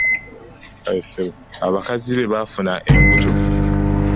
Abakazi be bafuna embuto.